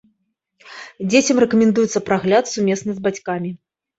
Дзецям рэкамендуецца прагляд сумесна з бацькамі.